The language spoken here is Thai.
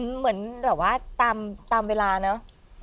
เหมือนแบบว่าตามเวลาเนอะ